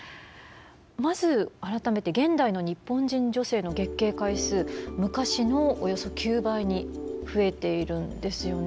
まず改めて現代の日本人女性の月経回数昔のおよそ９倍に増えているんですよね。